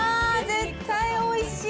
絶対おいしい。